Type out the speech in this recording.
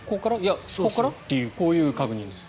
ここから？っていうこういう確認です。